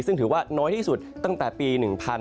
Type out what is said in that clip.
ซึ่งถือว่าน้อยที่สุดตั้งแต่ปี๑๕